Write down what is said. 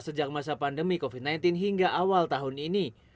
sejak masa pandemi covid sembilan belas hingga awal tahun ini